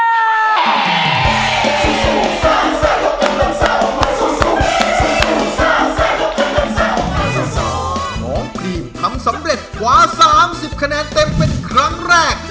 น้องพรีมทำสำเร็จคว้า๓๐คะแนนเต็มเป็นครั้งแรก